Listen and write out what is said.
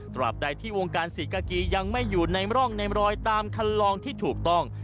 ตราบใดที่วงการศรีกากียังไม่อยู่ในร่องในรอยตามคันลองที่ถูกต้อง